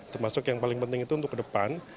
termasuk yang paling penting itu untuk ke depan